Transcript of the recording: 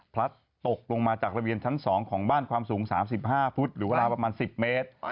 พลัดตกลงมาจากระเบียงชั้น๒ของบ้านความสูง๓๕ฟุตหรือเวลาประมาณ๑๐เมตร